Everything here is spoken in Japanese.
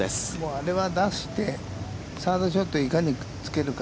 あれは出して、サードショット、いかにつけるか。